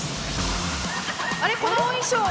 あれ、このお衣装は。